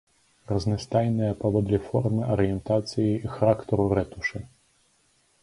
Разнастайныя паводле формы, арыентацыі і характару рэтушы.